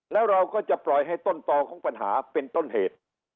แล้วเราก็จะปล่อยให้ต้นต่อของปัญหาเป็นต้นเหตุ